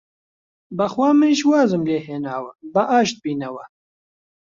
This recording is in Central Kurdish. بەخوا منیش وازم لێ هێناوە، با ئاشت بینەوە!